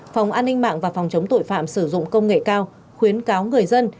phòng an ninh mạng và phòng chống tội phạm sử dụng công nghệ cao khuyến cáo người dân